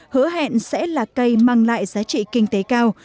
hứa hẹn sẽ là cây mang lại giá trị kinh tế cao